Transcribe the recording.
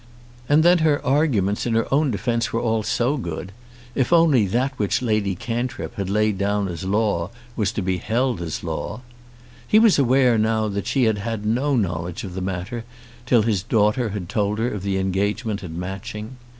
And then her arguments in her own defence were all so good, if only that which Lady Cantrip had laid down as law was to be held as law. He was aware now that she had had no knowledge of the matter till his daughter had told her of the engagement at Matching.